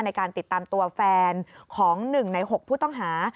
ในการติดตามตัวแฟนของ๑ใน๖ผู้ต้องหา